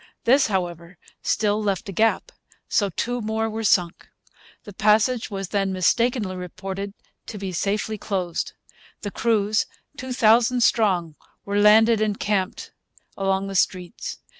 This, however, still left a gap; so two more were sunk. The passage was then mistakenly reported to be safely closed. The crews, two thousand strong, were landed and camped along the streets.